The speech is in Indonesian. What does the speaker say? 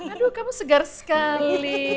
aduh kamu segar sekali